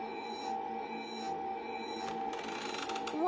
うわ